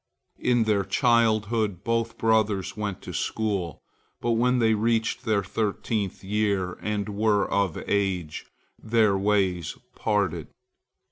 In their childhood, both brothers went to school, but when they reached their thirteenth year, and were of age, their ways parted.